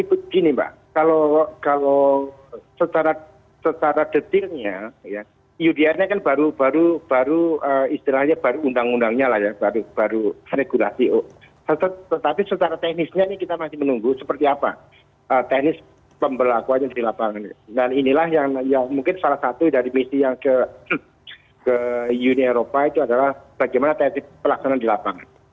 uni eropa itu adalah bagaimana teknik pelaksanaan di lapangan